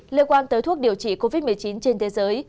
liên quan tới thuốc điều trị covid một mươi chín trên thế giới